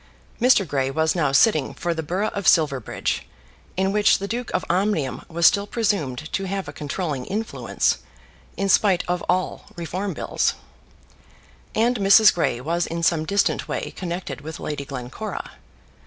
Mr. Grey was now sitting for the borough of Silverbridge, in which the Duke of Omnium was still presumed to have a controlling influence, in spite of all Reform bills, and Mrs. Grey was in some distant way connected with Lady Glencora.